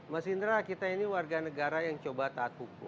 mas indra kita ini warga negara yang coba taat hukum